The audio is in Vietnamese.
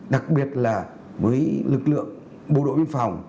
đặc biệt là với lực lượng bộ đội biên phòng